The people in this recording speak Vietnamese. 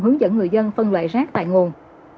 hướng dẫn người dân phân loại rác tại nguồn